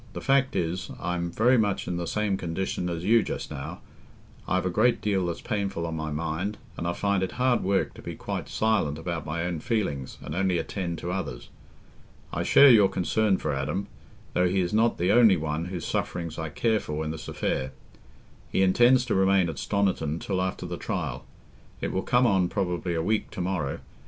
"The fact is, I'm very much in the same condition as you just now; I've a great deal that's painful on my mind, and I find it hard work to be quite silent about my own feelings and only attend to others. I share your concern for Adam, though he is not the only one whose sufferings I care for in this affair. He intends to remain at Stoniton till after the trial: it will come on probably a week to morrow.